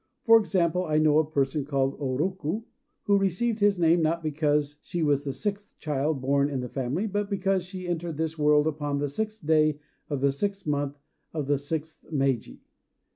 For example, I know a person called O Roku, who received this name, not because she was the sixth child born in the family, but because she entered this world upon the sixth day of the sixth month of the sixth Meiji.